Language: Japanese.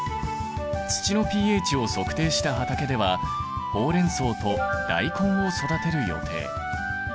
土のｐＨを測定した畑ではホウレンソウとダイコンを育てる予定。